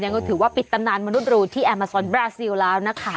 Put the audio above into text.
ก็ถือว่าปิดตำนานมนุษย์รูที่แอร์มาสอนบราซิลแล้วนะคะ